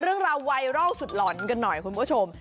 เรื่องราวไวรัลสุดหล่อนกันหน่อยคุณผู้ชม